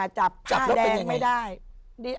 จับแล้วเป็นไง